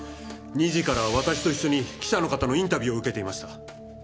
２時からは私と一緒に記者の方のインタビューを受けていました。